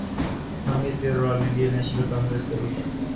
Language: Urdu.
حامی تھے اور آل انڈیا نیشنل کانگریس کے رکن